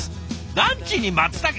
ランチにまつたけ！？